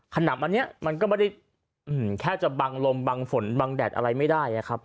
ขนำอันนี้มันก็ไม่ได้แค่จะบังลมบังฝนบังแดดอะไรไม่ได้ครับ